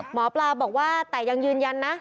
หมอปลาบอกว่าแต่ยังยืนยันนะ